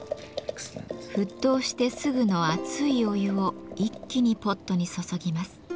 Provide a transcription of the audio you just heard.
沸騰してすぐの熱いお湯を一気にポットに注ぎます。